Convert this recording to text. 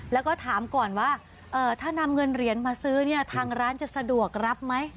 แล้วก็ถามก่อนว่าถ้านำเงินเหรียญมาซื้อเนี่ยทางร้านจะสะดวกรับไหม